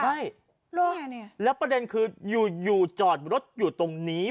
ใช่แล้วแปดเนี้ยคืออยู่อยู่จอดรถอยู่ตรงนี้